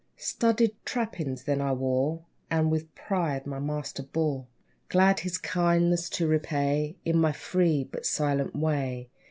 Studded trappings then I wore, And with pride my master bore, Glad his kindness to repay In my free, but silent way.